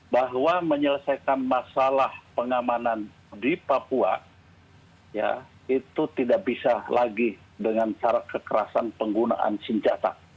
bahwa menyelesaikan masalah pengamanan di papua itu tidak bisa lagi dengan syarat kekerasan penggunaan senjata